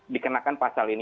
dikenakan pasal ini